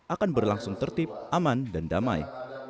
akan berlangsung tertib aman dan damai